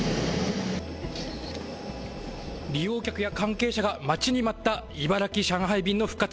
利用客や関係者が待ちに待った茨城・上海便の復活。